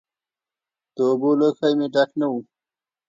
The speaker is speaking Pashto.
د اوبو لوښی مې ډک نه و.